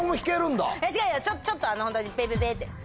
違うよちょっとホントにペペペって。